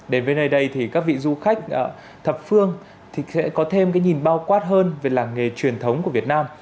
đến với nơi đây thì các vị du khách thập phương thì sẽ có thêm cái nhìn bao quát hơn về làng nghề truyền thống của việt nam